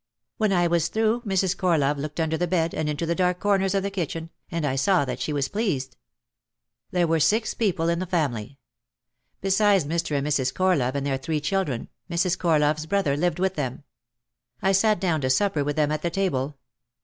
When I was through Mrs. Corlove looked under the bed and into the dark corners of the kitchen, and I saw that she was pleased. There were six people in the family. Besides Mr. and Mrs. Corlove and their three children, Mrs. Cor love's brother lived with them. I sat down to supper with them at the table.